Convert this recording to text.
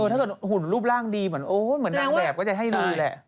ถ้าหุ่นรูปร่างดีเหมือนโอ้แบบก็จะให้นู่นแหละ